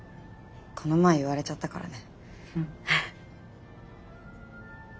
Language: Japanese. この前言われちゃったからね。